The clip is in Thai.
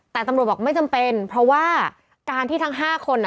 แต่ตำรวจบอกไม่จำเป็นเพราะว่าการที่ทั้ง๕คน